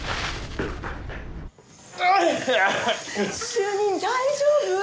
主任大丈夫？